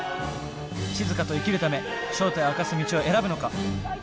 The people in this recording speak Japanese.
しずかと生きるため正体を明かす道を選ぶのか？